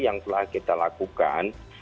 yang telah kita lakukan